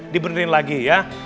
dibenerin lagi ya